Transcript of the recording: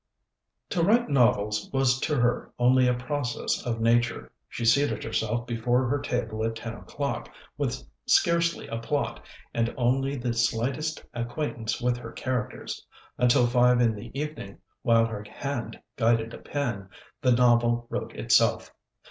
To write novels was to her only a process of nature; she seated herself before her table at ten o'clock, with scarcely a plot, and only the slightest acquaintance with her characters; until five in the evening, while her hand guided a pen, the novel wrote itself.